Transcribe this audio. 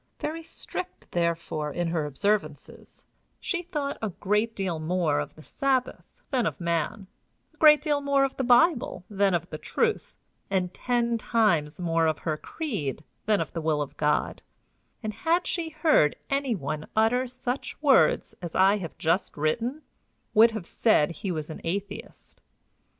Very strict, therefore, in her observances, she thought a great deal more of the Sabbath than of man, a great deal more of the Bible than of the truth, and ten times more of her creed than of the will of God; and, had she heard any one utter such words as I have just written, would have said he was an atheist.